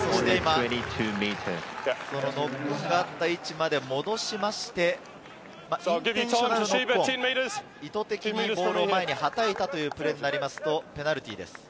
ノックオンがあった位置まで戻しまして、インテンショナルノックオン、意図的にボールを前に、はたいたというプレーになりますと、ペナルティーです。